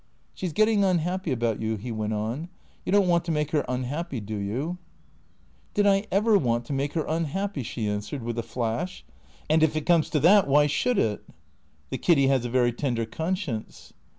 " She 's getting unhappy about you/' he went on. " You don't want to make her unhappy, do you ?" "Did I ever want to make her unhappy?" she answered, with a flash. " And if it comes to that, why should it ?"" The Kiddy has a very tender conscience."